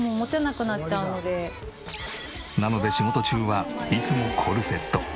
なので仕事中はいつもコルセット。